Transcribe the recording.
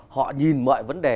họ nhìn mọi vấn đề